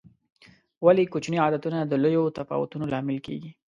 ولې کوچیني عادتونه د لویو تفاوتونو لامل کېږي؟